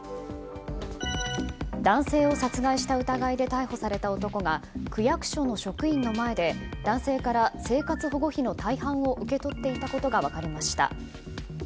男性を殺害した疑いで逮捕された男が区役所の職員の前で、男性から生活保護費の大半を受け取っていたことが分かりました。